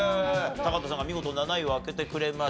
高畑さんが見事７位を開けてくれました。